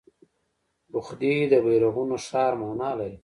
بخدي د بیرغونو ښار مانا لري